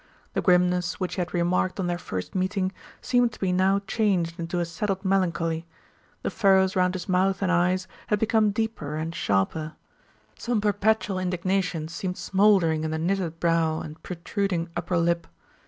The grimness which he had remarked on their first meeting seemed to be now changed into a settled melancholy. The furrows round his mouth and eyes had become deeper and sharper. Some perpetual indignation seemed smouldering in the knitted brow and protruding upper lip.